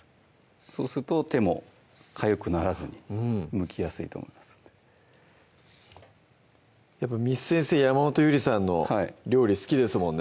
そうすると手もかゆくならずにむきやすいと思いますんでやっぱ簾先生山本ゆりさんの料理好きですもんね